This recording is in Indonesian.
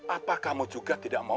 apa kamu juga tidak mau